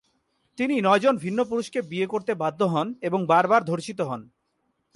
তিনি নয়জন ভিন্ন পুরুষকে বিয়ে করতে বাধ্য হন এবং বারবার ধর্ষিত হন।